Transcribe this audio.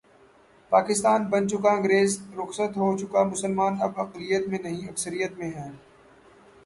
پاکستان بن چکا انگریز رخصت ہو چکا مسلمان اب اقلیت میں نہیں، اکثریت میں ہیں۔